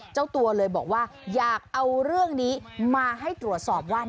เจ้าตัวเลยบอกว่าอยากเอาเรื่องนี้มาให้ตรวจสอบว่า